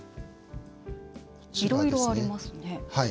いろいろありますね。